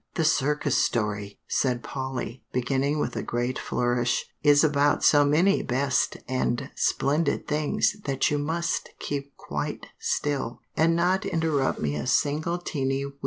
"The Circus story," said Polly, beginning with a great flourish, "is about so many best and splendid things that you must keep quite still and not interrupt me a single teenty wee bit."